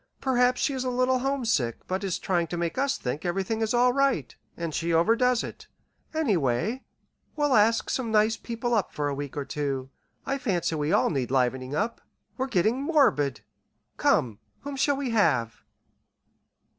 Perhaps she is a little homesick, but is trying to make us think everything is all right, and she overdoes it. Anyway, we'll ask some nice people up for a week or two. I fancy we all need livening up. We're getting morbid. Come, whom shall we have?"